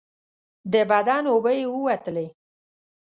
د بدن اوبه یې ووتلې.